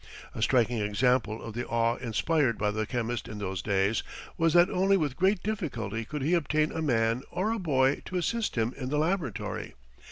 A striking example of the awe inspired by the chemist in those days was that only with great difficulty could he obtain a man or a boy to assist him in the laboratory.